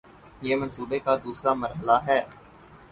یہ منصوبے کا دوسرا مرحلہ ہے